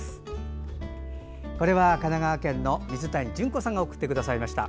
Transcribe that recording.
これは神奈川県の水谷淳子さんが送ってくださいました。